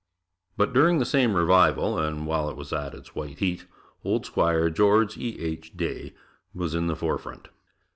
But, during the same revival and while it was at white heat, old Squire Geo. E. H. Day was in the fore front.